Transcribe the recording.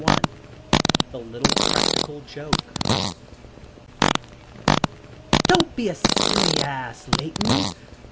"THE LITTLE PRACTICAL JOKE." "Don't be a silly ass, Layton.